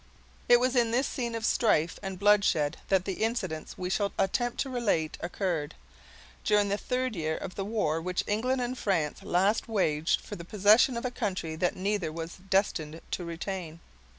It was in this scene of strife and bloodshed that the incidents we shall attempt to relate occurred, during the third year of the war which England and France last waged for the possession of a country that neither was destined to retain.